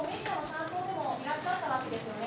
それでもいらっしゃらないわけですよね。